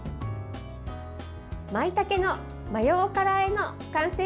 まいたけのマヨおからあえの完成です。